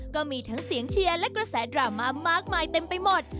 ก็มีทั้งเสียงเชียร์และกระแสดราม่ามากมายเต็มไปหมด